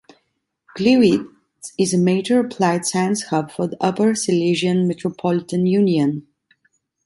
Gliwice is a major applied science hub for the Upper Silesian Metropolitan Union.